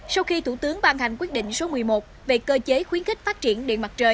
sau khi thủ tướng ban hành quyết định số một mươi một về cơ chế khuyến khích phát triển điện mặt trời